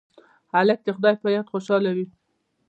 هلک د خدای په یاد خوشحاله وي.